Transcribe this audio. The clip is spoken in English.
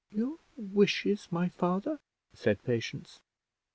"Your wishes, my father?" said Patience.